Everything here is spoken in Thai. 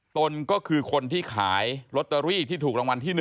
ตนก็คือคนที่ขายลอตเตอรี่ที่ถูกรางวัลที่๑